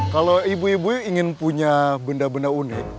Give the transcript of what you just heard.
kalau ibu ibu ingin punya benda benda unik